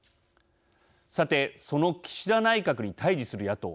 さて、その岸田内閣に対じする野党。